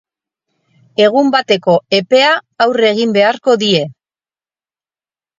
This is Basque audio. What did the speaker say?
Egun bateko epea aurre egin beharko die.